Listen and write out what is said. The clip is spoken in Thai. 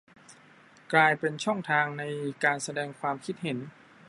กลายเป็นช่องทางในการแสดงความคิดเห็น